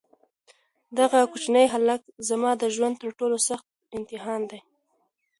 دغه کوچنی هلک زما د ژوند تر ټولو سخت امتحان دی.